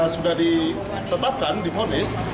sudah ditetapkan di fonis